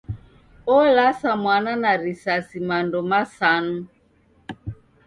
Olasa mwana na risasi mando masanu!